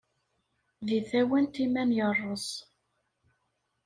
Deg tawant iman yerreẓ.